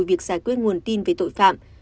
về việc giải quyết nguồn tin về tội phạm